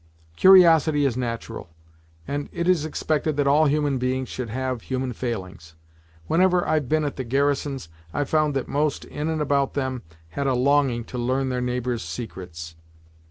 "Curiosity is natural, and it is expected that all human beings should have human failings. Whenever I've been at the garrisons, I've found that most in and about them had a longing to learn their neighbor's secrets."